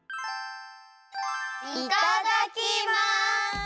いただきます！